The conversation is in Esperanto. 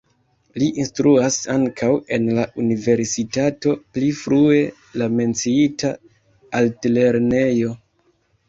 Li instruas ankaŭ en la universitato (pli frue la menciita altlernejo).